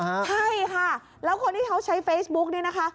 ใช่ค่ะแล้วคนที่เขาใช้เฟซบุ๊กเนี่ยนะคะ